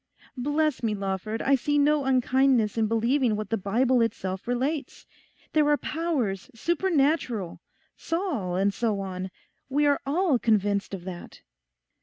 Bless me, Lawford, I see no unkindness in believing what the Bible itself relates. There are powers supernatural. Saul, and so on. We are all convinced of that.